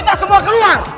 kita semua keluar